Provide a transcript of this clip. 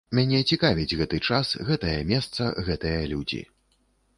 Мяне цікавіць гэты час, гэтае месца гэтыя людзі.